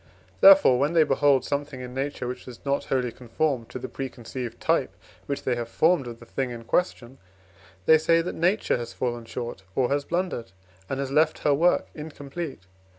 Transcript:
Therefore, when they behold something in Nature, which does not wholly conform to the preconceived type which they have formed of the thing in question, they say that Nature has fallen short or has blundered, and has left her work incomplete.